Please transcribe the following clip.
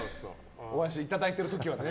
お足いただいてる時はね。